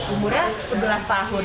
umurnya sebelas tahun